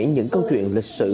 những câu chuyện lịch sử